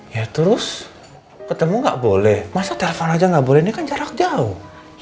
ya terus ketemu gak boleh masa telfon aja gak boleh ini kan jarak jauh